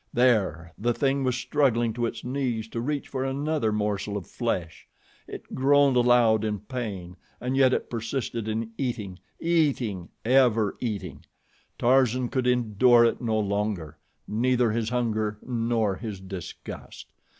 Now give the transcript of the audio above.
There! the thing was struggling to its knees to reach for another morsel of flesh. It groaned aloud in pain and yet it persisted in eating, eating, ever eating. Tarzan could endure it no longer neither his hunger nor his disgust.